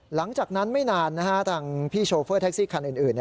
หลังจากนั้นไม่นานทางพี่โชเฟอร์แท็กซี่คันอื่น